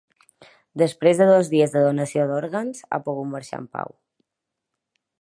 Després de dos dies de donació d'òrgans, ha pogut marxar en pau.